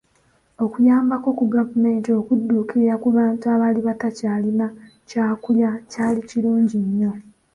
Okuyambako ku gavumenti okudduukirira ku bantu abaali batakyalina kyakulya kyalikirungi nyo.